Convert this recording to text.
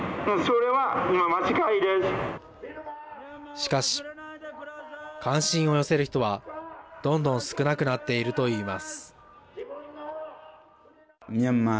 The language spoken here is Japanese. しかし、関心を寄せる人はどんどん少なくなっていると言います。